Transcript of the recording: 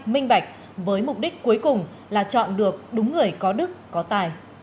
minh bạch với mục đích cuối cùng là chọn được đúng người có đức có tài